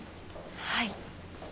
はい。